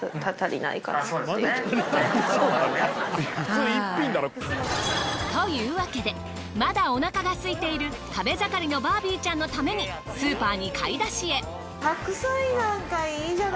そうですよね。というわけでまだお腹が空いている食べ盛りのバービーちゃんのためにスーパーに買い出しへ。